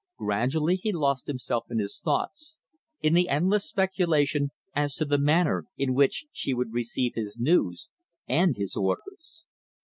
Gradually he lost himself in his thoughts, in the endless speculation as to the manner in which she would receive his news and his orders.